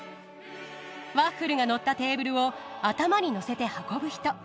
ワッフルがのったテーブルを頭にのせて運ぶ人。